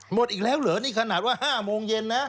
หมดอีกแล้วเหรอนี่ขนาดว่า๕โมงเย็นนะ